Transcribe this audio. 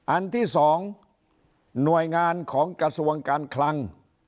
อันที่๒หน่วยงานของกระทรวงการคลัง